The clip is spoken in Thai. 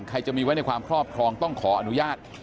ใครจะมีไว้ในความครอบครองต้องขออนุญาต